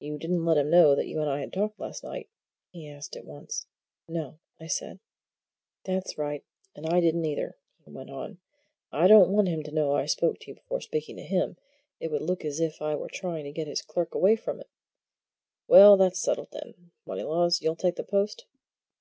"You didn't let him know that you and I had talked last night?" he asked at once. "No," said I. "That's right and I didn't either," he went on. "I don't want him to know I spoke to you before speaking to him it would look as if I were trying to get his clerk away from him. Well, it's settled, then, Moneylaws? You'll take the post?"